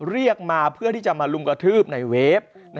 เรียกมาเพื่อที่จะมาลุมกระทืบในเวฟ